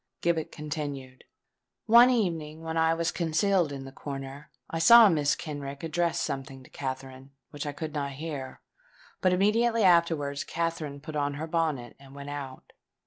Gibbet continued:— "One evening when I was concealed in the corner, I saw Mrs. Kenrick address something to Katherine, which I could not hear; but immediately afterwards Katherine put on her bonnet and went out.